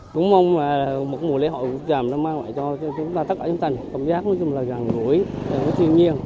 cũng mong một mùa lễ hội cù lao chàm đã mang lại cho chúng ta tất cả những tình cảm giác gần gũi thiên nhiên